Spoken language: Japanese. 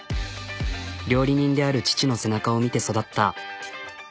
料理人である父の背中を見て育った。